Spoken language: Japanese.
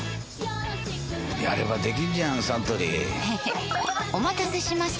やればできんじゃんサントリーへへっお待たせしました！